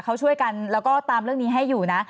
เขาช่วยกันแล้วก็ตามเรื่องนี้ให้อยู่นะ